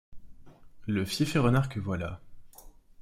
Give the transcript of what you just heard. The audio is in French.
Le fieffé renard que voilà...